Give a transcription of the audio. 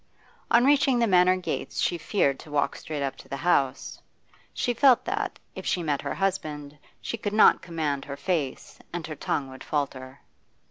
On reaching the Manor gates she feared to walk straight up to the house; she felt that, if she met her husband, she could not command her face, and her tongue would falter.